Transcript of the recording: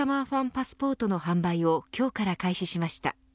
パスポートの販売を今日から開始しました。